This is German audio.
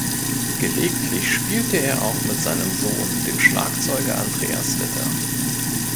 Gelegentlich spielte er auch mit seinem Sohn, dem Schlagzeuger Andreas Witte.